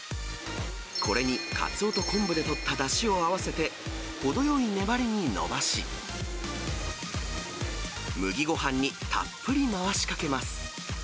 これにカツオと昆布でとっただしを合わせて、程よい粘りに伸ばし、麦ごはんにたっぷり回しかけます。